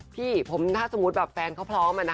พี่ผมถ้าสมมติแฟนเขาพร้อม